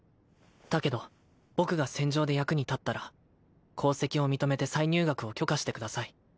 だけど僕が戦場で役に立ったら功績を認めて再入学を許可してください